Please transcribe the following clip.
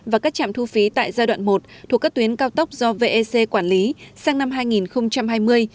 và các trạm thu phí tại giai đoạn một thuộc các tuyến cao tốc do vec quản lý sang năm hai nghìn hai mươi